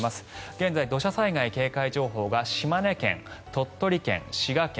現在、土砂災害警戒情報が島根県、鳥取県、滋賀県